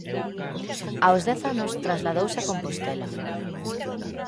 Aos dez anos trasladouse a Compostela.